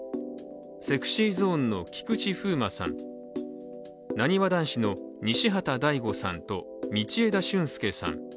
ＳｅｘｙＺｏｎｅの菊池風磨さん、なにわ男子の西畑大吾さんと道枝駿佑さん。